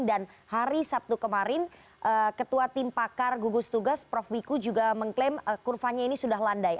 dan hari sabtu kemarin ketua tim pakar gugus tugas prof wiku juga mengklaim kurvanya ini sudah landai